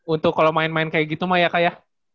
untuk kalau main main kayak gitu mah ya kak ya